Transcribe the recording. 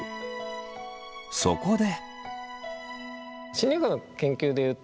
そこで。